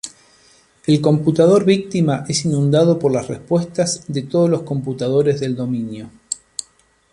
El computador víctima es inundado por las respuestas de todos los computadores del dominio.